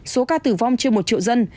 số ca tử vong trên một triệu dân